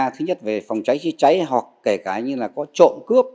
thứ nhất về phòng cháy chữa cháy hoặc kể cả như là có trộm cướp